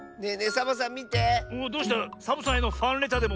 サボさんへのファンレターでもおちてたか？